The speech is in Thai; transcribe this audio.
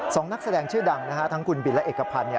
นักแสดงชื่อดังทั้งคุณบินและเอกพันธ์